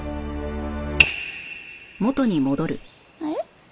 あれ？